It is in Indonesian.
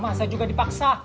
masa juga dipaksa